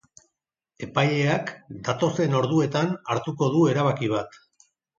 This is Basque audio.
Epaileak datozen orduetan hartuko du erabaki bat.